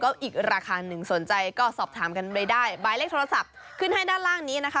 ก็อีกราคาหนึ่งสนใจก็สอบถามกันไปได้หมายเลขโทรศัพท์ขึ้นให้ด้านล่างนี้นะคะ